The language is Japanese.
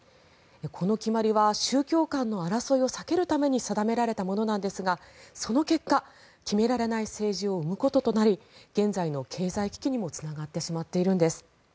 この決まりは宗教間の争いを避けるために定められたものなんですがその結果、決められない政治を生むこととなり現在の経済危機にもつながってしまっているんです。